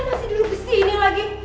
kamu masih duduk kesini lagi